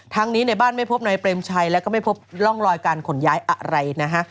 นี้ในบ้านไม่พบนายเปรมชัยแล้วก็ไม่พบร่องรอยการขนย้ายอะไรนะฮะ